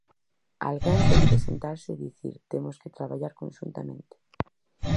Alguén ten que sentarse e dicir temos que traballar conxuntamente.